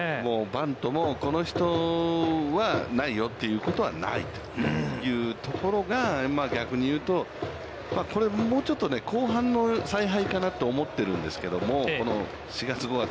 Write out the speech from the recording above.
バントも、この人はないよということはないとそういうところが逆に言うと、これ、もうちょっと後半の采配かなと思っているんですけれども、この４月、５月。